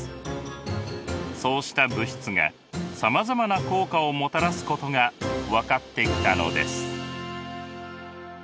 そうした物質がさまざまな効果をもたらすことが分かってきたのです。